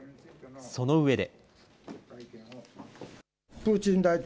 その上で。